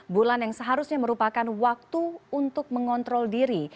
bulan yang seharusnya merupakan waktu untuk mengontrol diri